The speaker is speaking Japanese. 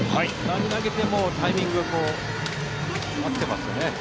何を投げてもタイミング、合ってますね。